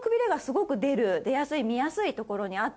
出やすい見やすい所にあって。